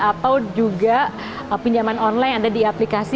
atau juga pinjaman online ada di aplikasi